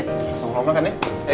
langsung ke ruang makan ya